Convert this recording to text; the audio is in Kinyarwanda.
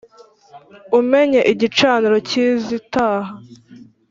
Umenye igicaniro cy’izitaha